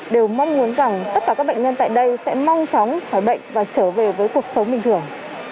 đều mong muốn rằng tất cả các bệnh nhân tại đây sẽ mong chóng khỏi bệnh và trở về với cuộc sống bình thường